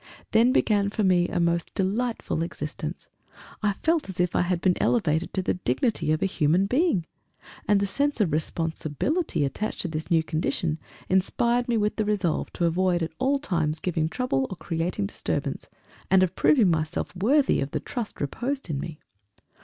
Then began for me a most delightful existence. I felt as if I had been elevated to the dignity of a human being! And the sense of responsibility attached to this new condition inspired me with the resolve to avoid at all times giving trouble, or creating disturbance and of proving myself worthy of the trust reposed in me.